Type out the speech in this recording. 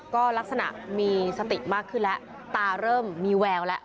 ก็ลักษณะมีสติมากขึ้นแล้วตาเริ่มมีแววแล้ว